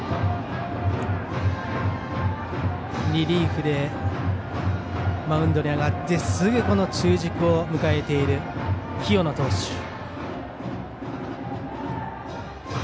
リリーフでマウンドに上がってすぐ中軸を迎えている清野投手。